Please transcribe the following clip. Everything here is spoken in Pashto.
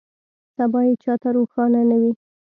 سبا یې چا ته روښانه نه وي.